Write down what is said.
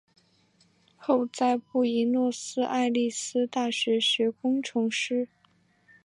后在布宜诺斯艾利斯大学学工程师。